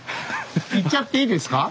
行っちゃっていいですか？